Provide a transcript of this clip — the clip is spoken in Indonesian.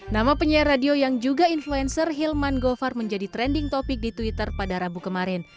nama penyair radio yang juga influencer hilman govar menjadi trending topic di twitter pada rabu kemarin